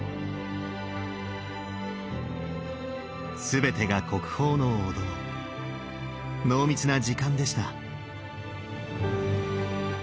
全てが国宝のお堂濃密な時間でした。